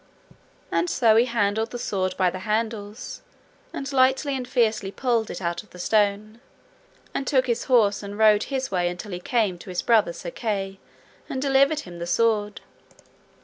And so he handled the sword by the handles, and lightly and fiercely pulled it out of the stone, and took his horse and rode his way until he came to his brother Sir Kay, and delivered him the sword.